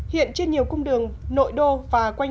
hiện trên nhiều cung đường nội đô và quanh